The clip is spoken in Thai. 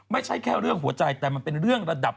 ไม่ใช่แค่เรื่องหัวใจแต่มันเป็นเรื่องระดับ